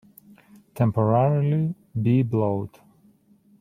Temporarily be blowed.